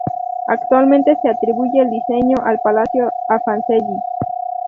Actualmente, se atribuye el diseño del palacio a Fancelli.